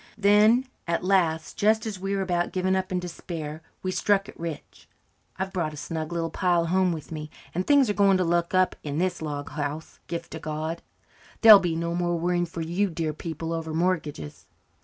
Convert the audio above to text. Then at last, just as we were about giving up in despair, we struck it rich. I've brought a snug little pile home with me, and things are going to look up in this log house, Gift o' God. There'll be no more worrying for you dear people over mortgages."